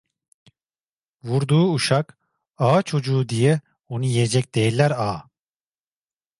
Vurduğu uşak, ağa çocuğu diye onu yiyecek değiller a!